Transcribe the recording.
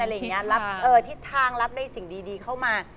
อ่ะหลีงงี้ติดทางรับสิ่งดีเข้ามา